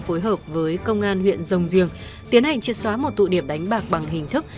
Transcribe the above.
phối hợp với công an huyện rồng giềng tiến hành triệt xóa một tụ điểm đánh bạc bằng hình thức